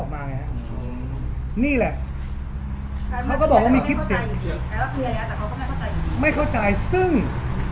กานว่าสนุกคนก็ไม่เข้าใจอย่างเดียว